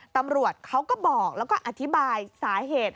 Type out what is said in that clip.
ตำรวจเขาก็บอกแล้วก็อธิบายสาเหตุ